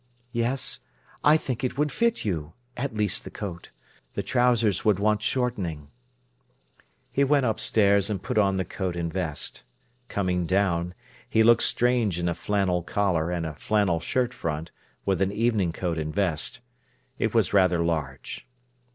"Yes. I think it would fit you—at least the coat. The trousers would want shortening." He went upstairs and put on the coat and vest. Coming down, he looked strange in a flannel collar and a flannel shirt front, with an evening coat and vest. It was rather large.